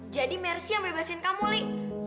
jadi mercy yang bebasin kamu li